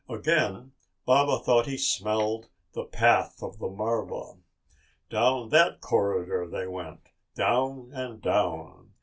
Again Baba thought he smelled the path of the marva. Down that corridor they went, down and down.